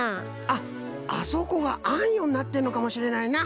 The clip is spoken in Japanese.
あっあそこがあんよになってるのかもしれないな。